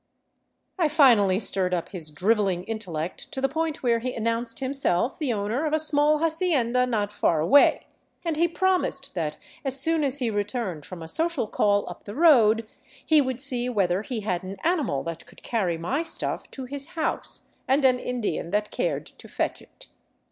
" I finally stirred up his drivelling intellect to the point where he announced himself the owner of a small hacienda not far away, and he promised that as soon as he returned from a social call up the road he would see whether he had an animal that could carry my stuff to his house, and an Indian that cared to fetch it.